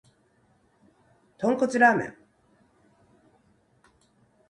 豚骨ラーメン